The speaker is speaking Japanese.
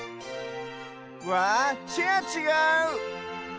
わあチェアちがう！